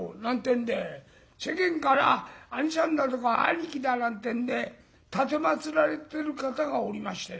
んで世間から「兄さん」だとか「兄貴」だなんてんで奉られてる方がおりまして。